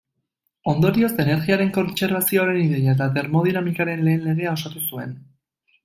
Ondorioz energiaren kontserbazioaren ideia eta termodinamikaren lehen legea osatu zuen.